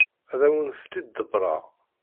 Ad awent-tt-id-ḍebbreɣ.